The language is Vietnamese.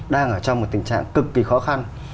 đang ở trong một tình trạng cực kỳ khó khăn